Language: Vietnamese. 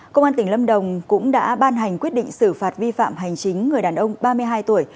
công an tỉnh lâm đồng cũng đã ban hành quyết định xử phạt vi phạm hành chính người đàn ông ba mươi hai tuổi